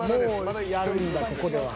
［やるんだここでは］